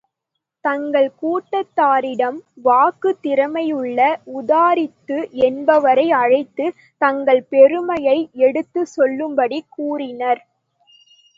தங்கள் கூட்டத்தாரிடம் வாக்குத் திறமையுள்ள உதாரிது என்பவரை அழைத்து, தங்கள் பெருமையை எடுத்துச் சொல்லும்படி கூறினர்.